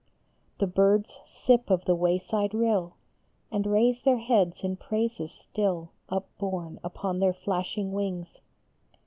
The birds sip of the wayside rill, And raise their heads in praises, still Upborne upon their flashing wings ; DRINKING OF THE BROOK.